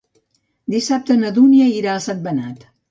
Dissabte na Dúnia irà a Sentmenat.